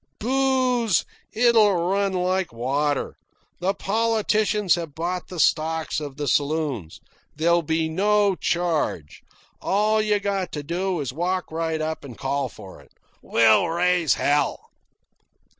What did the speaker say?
"Booze? It'll run like water. The politicians have bought the stocks of the saloons. There'll be no charge. All you got to do is walk right up and call for it. We'll raise hell."